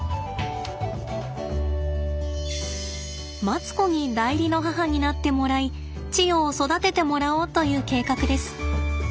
マツコに代理の母になってもらいチヨを育ててもらおうという計画です。